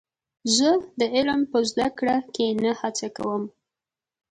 زه د علم په زده کړه کې نه هڅه کوم.